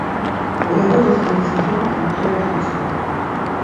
У яго засталіся жонка і трое дзяцей.